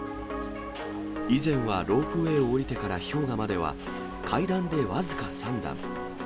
以前はロープウエーを降りてから氷河までは、階段で僅か３段。